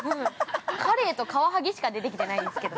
カレイとカワハギしか出てきてないんですけど。